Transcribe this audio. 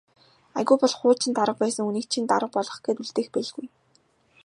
Аягүй бол хуучин дарга байсан хүнийг чинь дарга болгох гээд үлдээх байлгүй.